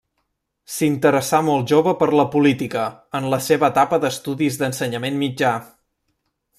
S'interessà molt jove per la política en la seva etapa d'estudis d'ensenyament mitjà.